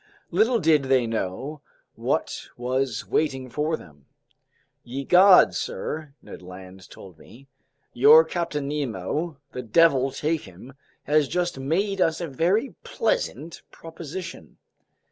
Little did they know what was waiting for them. "Ye gods, sir!" Ned Land told me. "Your Captain Nemo—the devil take him—has just made us a very pleasant proposition!"